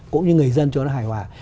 cũng như người dân cho hài hòa